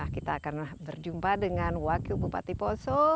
kita akan berjumpa dengan wakil bupati poso